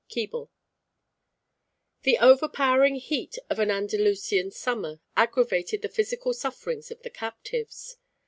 Keble The overpowering heat of an Andalusian summer aggravated the physical sufferings of the captives.